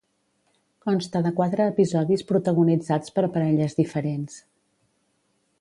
Consta de quatre episodis protagonitzats per parelles diferents.